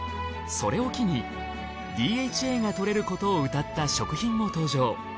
それを機にＤＨＡが摂れることをうたった食品も登場。